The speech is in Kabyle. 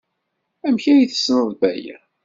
Amek ay tessneḍ Baya?